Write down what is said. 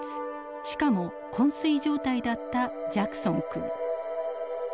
しかも昏睡状態だったジャクソン君。